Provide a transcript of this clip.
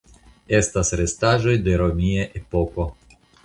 Estas restaĵoj de romia epoko.